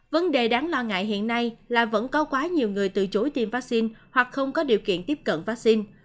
vấn đề đáng lo ngại hiện nay là vẫn có quá nhiều người từ chối tiêm vaccine hoặc không có điều kiện tiếp cận vaccine